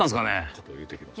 ちょっと言うてきます